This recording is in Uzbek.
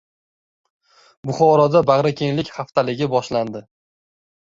Buxoroda “Bag‘rikenglik haftaligi” boshlandi